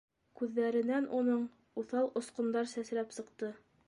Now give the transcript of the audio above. Күҙҙәренән уның уҫал осҡондар сәсрәп сыҡты.